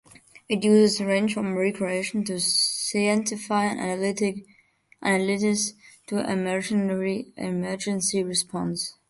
Its uses range from recreation to scientific analysis to emergency response.